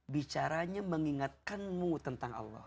bicaranya mengingatkanmu tentang allah